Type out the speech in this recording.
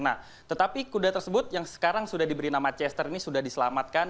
nah tetapi kuda tersebut yang sekarang sudah diberi nama chester ini sudah diselamatkan